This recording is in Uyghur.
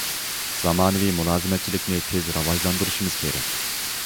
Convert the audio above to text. زامانىۋى مۇلازىمەتچىلىكنى تېز راۋاجلاندۇرۇشىمىز كېرەك.